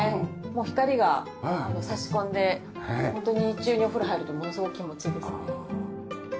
光が差し込んでホントに日中にお風呂入るとものすごく気持ちいいですね。